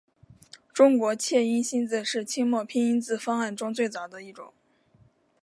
中国切音新字是清末拼音字方案中最早的一种。